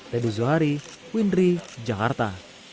redu zuhari windri jakarta